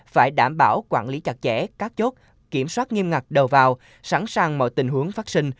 phải đảm bảo quản lý chặt chẽ các chốt kiểm soát nghiêm ngặt đầu vào sẵn sàng mọi tình huống phát sinh